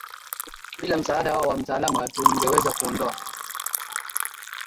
Bila msaada wao wa mtaalam hatungeweza kuondoa